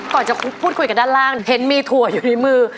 ก่อนจะพูดคุยกับด้านล่างเห็นมีถั่วอยู่ในมือ